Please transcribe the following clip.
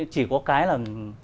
chỉ có cái là